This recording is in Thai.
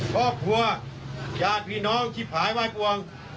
ครอบครัวญาติพี่น้องชิบหายว่ายปวง